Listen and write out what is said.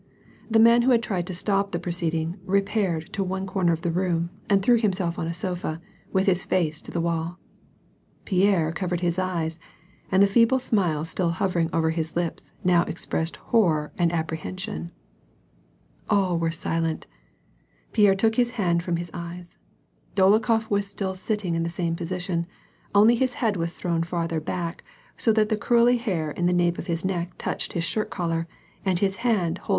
The man who had tried to stop the proceeding repaired to one comer of the room and threw himself on a sofa, with his face to the wall. Pierre covered his eyes, and the feeble smile still hovering over his lips now expressed horror and appre hension. All were silent. Pierre took his hand from his eyes. Dolokhof was still sitting in the same position, only his head was thrown farther back, so that the curly hair in the nape of his neck touched his shirt collar, and his hand hold \ 38 WAR AND PEACE.